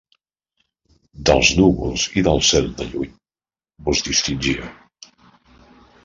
Dels núvols i del cel de lluny vos distingia